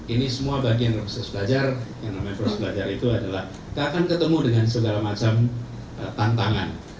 ini semua bagian proses belajar yang namanya proses belajar itu adalah kita akan ketemu dengan segala macam tantangan